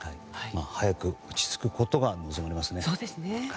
早く落ち着くことが望まれますね。